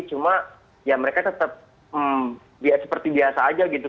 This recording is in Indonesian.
cuma ya mereka tetep seperti biasa aja gitu